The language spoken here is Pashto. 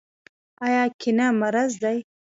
آیا کینه مرض دی؟